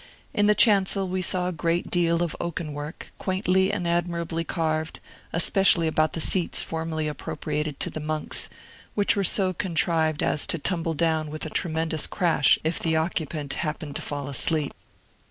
In the chancel we saw a great deal of oaken work, quaintly and admirably carved, especially about the seats formerly appropriated to the monks, which were so contrived as to tumble down with a tremendous crash, if the occupant happened to fall asleep.